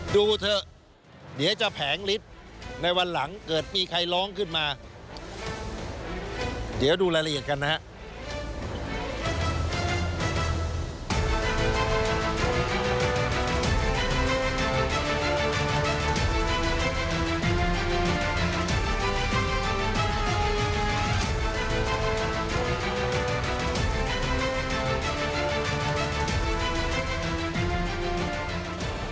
ดูเถอะเดี๋ยวจะแผงฤทธิ์ในวันหลังเกิดมีใครร้องขึ้นมาเดี๋ยวดูรายละเอียดกันนะครับ